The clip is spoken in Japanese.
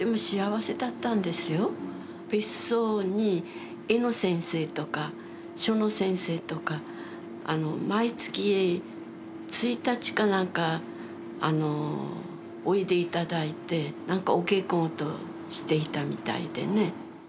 別荘に絵の先生とか書の先生とか毎月一日かなんかおいで頂いてお稽古事していたみたいでね。